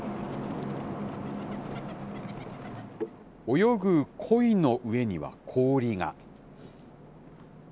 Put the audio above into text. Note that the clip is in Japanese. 泳ぐこいの上には氷が。